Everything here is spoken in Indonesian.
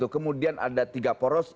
kemudian ada tiga poros